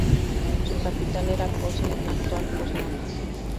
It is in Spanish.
Su capital era Posen, actual Poznań.